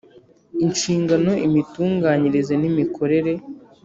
Inshingano, imitunganyirize n’imikorere